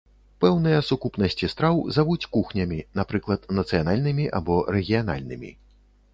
Пэўныя сукупнасці страў завуць кухнямі, напрыклад нацыянальнымі або рэгіянальнымі.